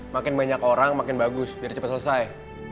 makin banyak orang makin bagus biar cepat selesai